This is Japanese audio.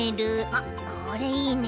あっこれいいね。